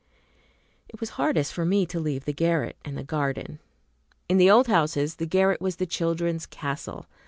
It was hardest for me to leave the garret and the garden. In the old houses the garret was the children's castle.